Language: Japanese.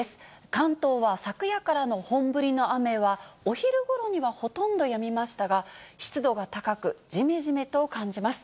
関東は昨夜からの本降りの雨は、お昼ごろにはほとんどやみましたが、湿度が高く、じめじめと感じます。